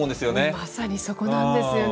まさにそこなんですよね。